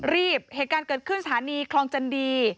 เหตุการณ์เกิดขึ้นสถานีคลองจันดี